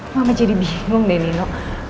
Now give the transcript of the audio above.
mama jadi bingung deh nino